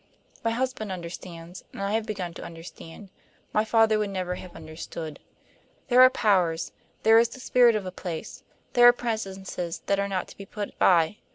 My husband understands, and I have begun to understand; my father would never have understood. There are powers, there is the spirit of a place, there are presences that are not to be put by.